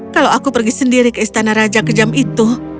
kalau aku pergi sendiri ke istana raja kejam itu